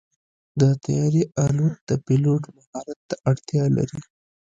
د طیارې الوت د پيلوټ مهارت ته اړتیا لري.